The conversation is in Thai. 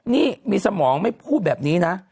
นี่มีสมองไม่พูดแบบนี้นะ